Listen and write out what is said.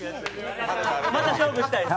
また勝負したいです。